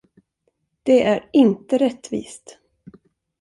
Det är inte rättvist!